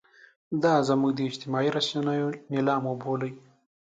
دا زموږ د اجتماعي رسنیو نیلام وبولئ.